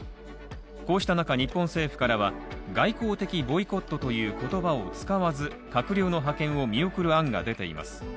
こうした中日本政府からは外交的ボイコットという言葉を使わず閣僚の派遣を見送る案が出ています。